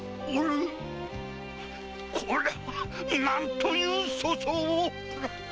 これはなんという粗相を。